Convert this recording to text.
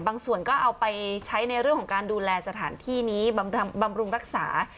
ส่วนก็เอาไปใช้ในเรื่องของการดูแลสถานที่นี้บำรุงรักษา